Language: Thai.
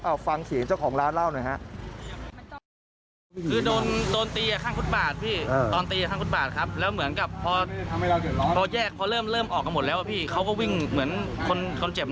เอาฟังเสียงเจ้าของร้านเล่าหน่อยฮะ